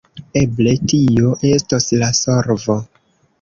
Eble tio estos la solvo.